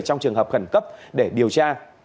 trong trường hợp khẩn cấp để điều tra